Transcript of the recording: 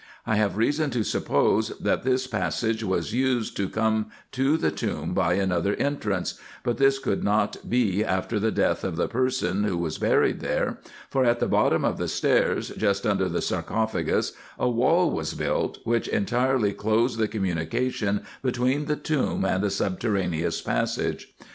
I have reason to suppose, that this passage was used to come into the tomb by another entrance ; but this could not be after the death of the person who was buried there, for at the bottom of the stairs just under the sareophagus a wall was built, which entirely closed the communication between the tomb and the subterraneous passage.